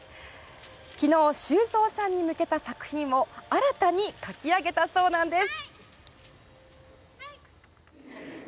昨日、修造さんに向けた作品を新たに書き上げたそうなんです。